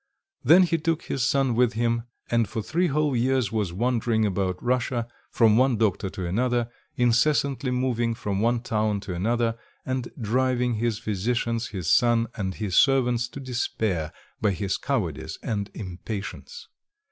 Then he took his son with him and for three whole years was wandering about Russia, from one doctor to another, incessantly moving from one town to another, and driving his physicians, his son, and his servants to despair by his cowardice and impatience.